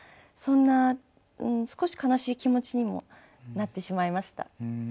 そんな少し悲しい気持ちにもなってしまいました。